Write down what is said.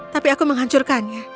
tapi aku menghancurkannya